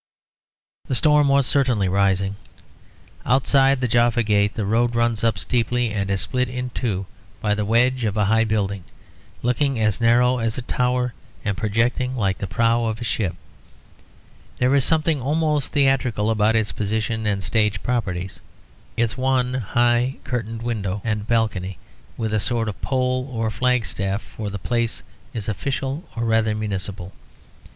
The storm was certainly rising. Outside the Jaffa Gate the road runs up steeply and is split in two by the wedge of a high building, looking as narrow as a tower and projecting like the prow of a ship. There is something almost theatrical about its position and stage properties, its one high curtained window and balcony, with a sort of pole or flag staff; for the place is official or rather municipal.